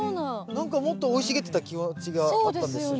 なんかもっと生い茂ってた気持ちがあったんですが。